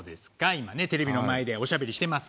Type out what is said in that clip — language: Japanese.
今ねテレビの前でおしゃべりしてますけど。